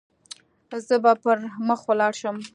زه به پر مخ ولاړ شم.